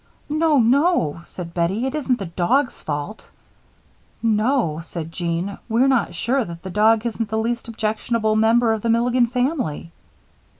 "No, no," said Bettie, "it isn't the dog's fault." "No," said Jean, "we're not sure that the dog isn't the least objectionable member of the Milligan family."